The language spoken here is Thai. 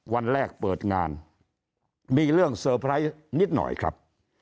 วันแรกเปิดงานมีเรื่องเซอร์ไพรส์นิดหน่อยครับ